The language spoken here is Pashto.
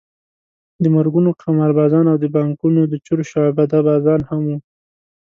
د مرګونو قماربازان او د بانکونو د چور شعبده بازان هم وو.